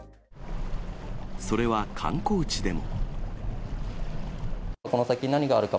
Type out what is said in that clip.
それは観光地でも。